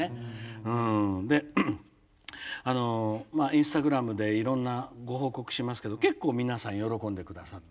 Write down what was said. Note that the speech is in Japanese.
であのインスタグラムでいろんなご報告しますけど結構皆さん喜んで下さって。